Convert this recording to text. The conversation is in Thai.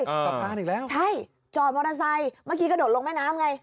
สะพานอีกแล้วใช่จอดมอเตอร์ไซค์เมื่อกี้กระโดดลงแม่น้ำไง